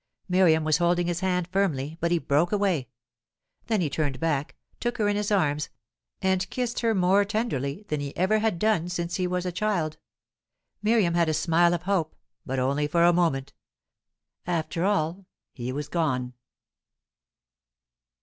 Miriam was holding his hand firmly, but he broke away. Then he turned back, took her in his arms, and kissed her more tenderly than he ever had done since he was a child. Miriam had a smile of hope, but only for a moment. After all, he was gone.